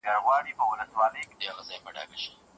بهرني توکي مه کاروئ تر څو چې اړتیا نه وي.